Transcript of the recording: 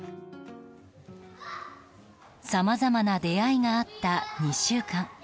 さまざまな出会いがあった２週間。